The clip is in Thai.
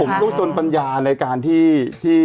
ผมก็จนปัญญาในการที่